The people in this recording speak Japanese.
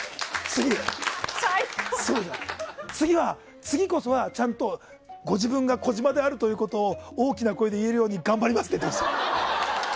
次は、次こそはちゃんとご自分が児嶋であることを大きな声で言えるように頑張りますって。